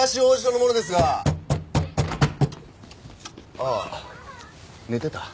ああ寝てた？